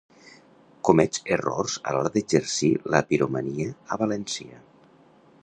Comets errors a l'hora d'exercir la piromania a València.